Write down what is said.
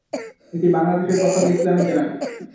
এটি বাংলাদেশের প্রথম ইসলামি চ্যানেল।